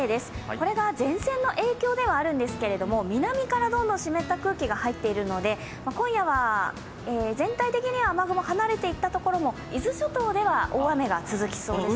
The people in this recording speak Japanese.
これが前線の影響ではあるんですが南からどんどん湿った空気が入っているので今夜は全体的に雨雲が離れていったところも伊豆諸島では大雨が続きそうですね。